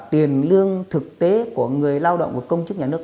tiền lương thực tế của người lao động và công chức nhà nước